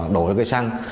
đổi cái xăng